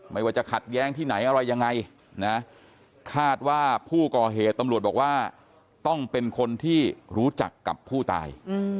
ไม่ว่าจะขัดแย้งที่ไหนอะไรยังไงนะคาดว่าผู้ก่อเหตุตำรวจบอกว่าต้องเป็นคนที่รู้จักกับผู้ตาย